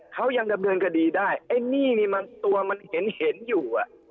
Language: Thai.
เขายังทำเรื่องคดีได้ไอ้นี่ตัวมันเห็นอยู่